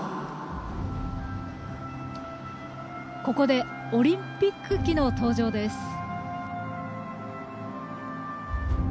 ここで、オリンピック旗の登場です。